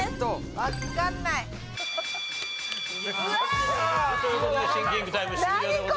わかんない。という事でシンキングタイム終了でございます。